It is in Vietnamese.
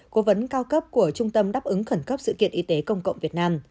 cố vấn cao cấp của trung tâm đáp ứng khẩn cấp sự kiện y tế công cộng việt nam